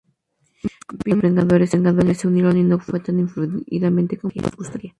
Vimos como Los Vengadores se unieron, y no fue tan fluidamente como nos gustaría.